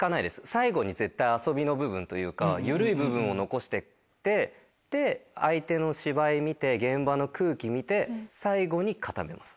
最後に遊びの部分というか緩い部分を残してって相手の芝居見て現場の空気見て最後に固めます。